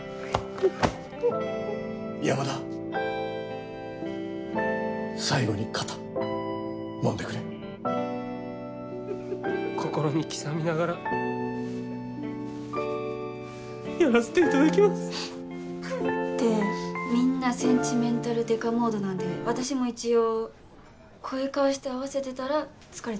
山田最後に肩もんでくれ心に刻みながらやらせていただきますってみんなセンチメンタル刑事モードなんで私も一応こういう顔して合わせてたら疲れちゃって。